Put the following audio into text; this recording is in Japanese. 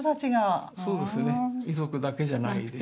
遺族だけじゃないですよね。